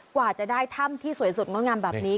กว่าจะได้ถ้ำที่สวยสดงดงามแบบนี้